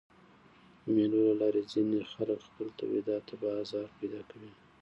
د مېلو له لاري ځيني خلک خپلو تولیداتو ته بازار پیدا کوي.